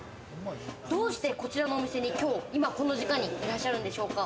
どうしてこちらのお店にきょう今、この時間にいらっしゃるんでしょうか？